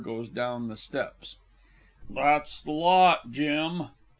goes down the steps). That's the lot, Jim!